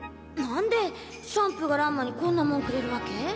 なんでシャンプーが乱馬にこんなもんくれるわけ？